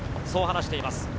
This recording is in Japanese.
そう話しています。